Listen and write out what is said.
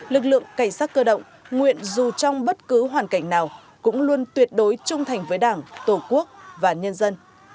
lực lượng cảnh sát cơ động nguyện dù trong bất cứ hoàn cảnh nào cũng luôn tuyệt đối trung thành với đảng tổ quốc và nhân dân